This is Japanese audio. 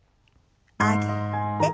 上げて。